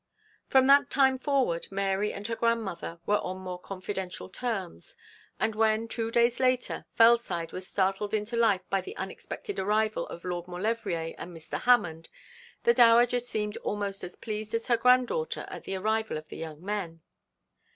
From that time forward Mary and her grandmother were on more confidential terms, and when, two days later, Fellside was startled into life by the unexpected arrival of Lord Maulevrier and Mr. Hammond, the dowager seemed almost as pleased as her granddaughter at the arrival of the young men.